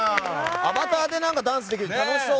アバターでダンスできるって楽しそう！